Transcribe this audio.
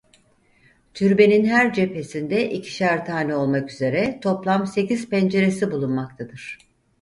Türbenin her cephesinde ikişer tane olmak üzere toplam sekiz penceresi bulunmaktadır.